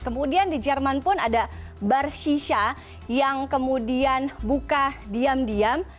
kemudian di jerman pun ada bar shisha yang kemudian buka diam diam